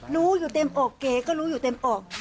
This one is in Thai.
รู้อยู่เต็มอกเก๋ก็รู้อยู่เต็มอก